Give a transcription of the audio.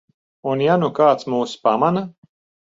Un ja nu kāds mūs pamana?